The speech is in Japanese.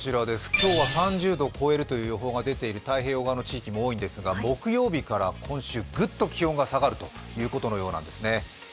今日は３０度を超えると予想されている太平洋側ですが木曜日から今週、グッと気温が下がるということのようなんですね。